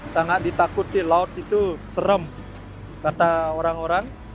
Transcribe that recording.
sangat ditakuti laut itu serem kata orang orang